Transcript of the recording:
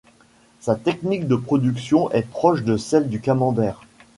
Sa technique de production est proche de celle du camembert.